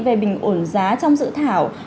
về bình ổn giá trong dự thảo